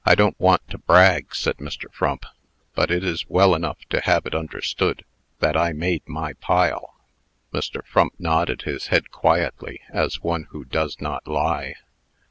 "I don't want to brag," said Mr. Frump, "but it is well enough to have it understood that I made my pile." Mr. Frump nodded his head quietly, as one who does not lie.